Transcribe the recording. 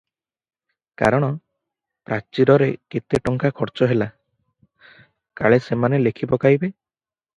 କାରଣ ପ୍ରାଚୀରରେ କେତେ ଟଙ୍କା ଖରଚ ହେଲା, କାଳେସେମାନେ ଲେଖିପକାଇବେ ।